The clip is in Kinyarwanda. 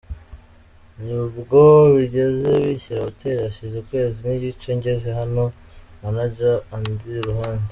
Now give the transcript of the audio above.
Ntabwo bigeze bishyira hotel hashize ukwezi n’igice njyeze hano, Manager andi I Ruhande.